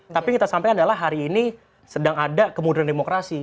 tapi yang kita sampaikan adalah hari ini sedang ada kemudahan demokrasi